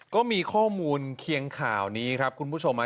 ก็มีข้อมูลเคียงข่าวนี้ครับคุณผู้ชม